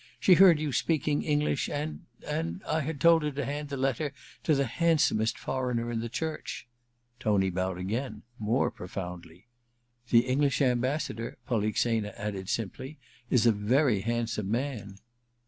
She heard you speaking English, and — and — I had told her to hand the letter to the handsomest foreigner in the church/ Tony bowed again, more profoundly. * The English Ambassador,' Polixena added simply, * is a very handsome man.'